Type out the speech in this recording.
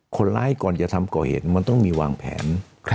ก่อนจะทำก่อเหตุมันต้องมีวางแผน